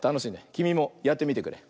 きみもやってみてくれ！